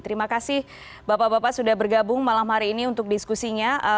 terima kasih bapak bapak sudah bergabung malam hari ini untuk diskusinya